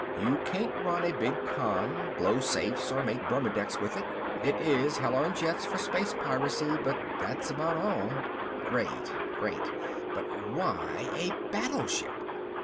You can't run a big con, blow safes or make burmedex with it. It is hell on jets for space piracy, but that's about all. "Great, great but why a battleship?"